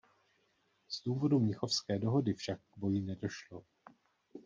Z důvodu Mnichovské dohody však k boji nedošlo.